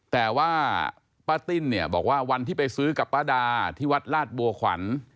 แต่ว่าป้าติ้นเนี่ยบอกว่าวันที่ไปซื้อกับป้าดาที่วัดลาดบัวขวัญ